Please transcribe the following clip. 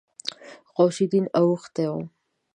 غوث الدين اوښتی و.